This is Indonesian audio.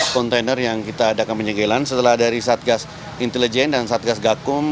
kontainer yang kita adakan penyegelan setelah dari satgas intelijen dan satgas gakum